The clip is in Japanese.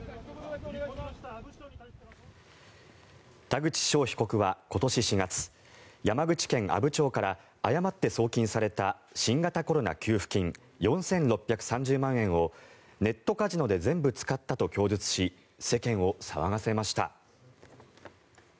田口翔被告は今年４月山口県阿武町から誤って送金された新型コロナ給付金４６３０万円をネットカジノで全部使ったと供述し、世間を騒がせました。